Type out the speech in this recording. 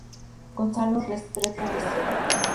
Gonzalo Restrepo Restrepo.